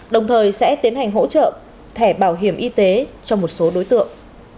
đồng thời sẽ tiến hành hỗ trợ thẻ bảo hiểm y tế cho một số đối tượng